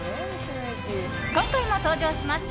今回も登場します。